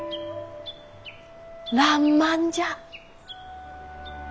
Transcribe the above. らんまんじゃ。